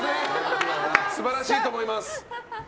素晴らしいと思います。